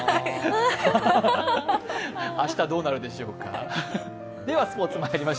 明日はどうなるでしょうか。